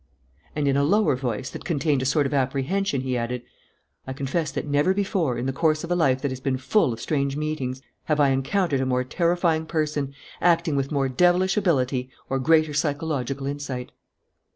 And, in a lower voice, that contained a sort of apprehension, he added, "I confess that never before, in the course of a life that has been full of strange meetings, have I encountered a more terrifying person, acting with more devilish ability or greater psychological insight."